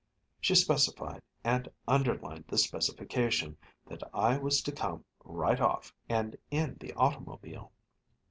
She specified, and underlined the specification, that I was to come "right off, and in the automobile."